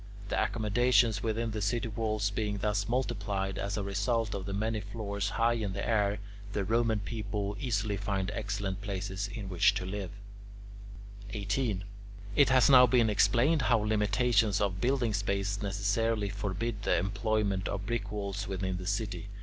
The accommodations within the city walls being thus multiplied as a result of the many floors high in the air, the Roman people easily find excellent places in which to live. 18. It has now been explained how limitations of building space necessarily forbid the employment of brick walls within the city.